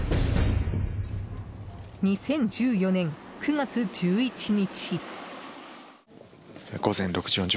２０１４年９月１１日。